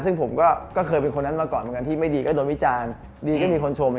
ซึ่งผมก็เคยเป็นคนนั้นมาก่อนที่ไม่ดีก็โดนอิจารณ์ดีก็ไม่มีคนชม